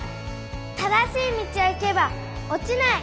正しい道を行けばおちない。